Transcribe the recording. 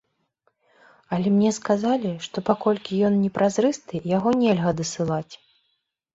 Але мне сказалі, што, паколькі ён не празрысты, яго нельга дасылаць.